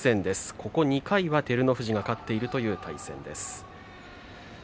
ここ２回は照ノ富士が勝っている対戦です。